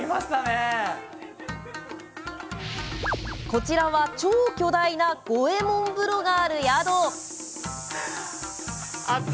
こちらは、超巨大な五右衛門風呂がある宿。